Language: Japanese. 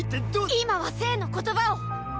今は政の言葉をっ！